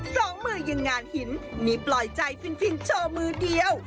สองมือยังงานหินนี่ปล่อยใจฟินโชว์มือเดียว